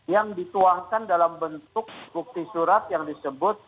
yang dituangkan dalam bentuk bukti surat yang disebut